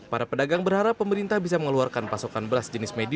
para pedagang berharap pemerintah bisa mengeluarkan pasokan beras